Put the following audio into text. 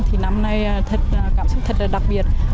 thì năm nay cảm xúc thật là đặc biệt